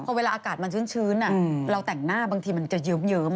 เพราะเวลาอากาศมันชื่นอะอืมเราแต่งหน้าบางทีมันจะเยิ้มมันใช่